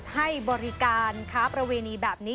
ให้บริการค้าประเวณีแบบนี้